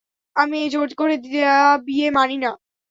আমি এই জোর করে দেয়া বিয়ে মানি না।